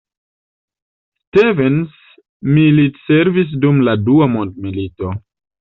Stevens militservis dum la Dua Mondmilito.